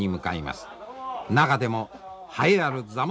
中でも栄えある座元